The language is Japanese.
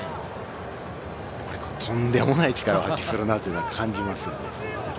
とんでもない力を発揮するなという感じです。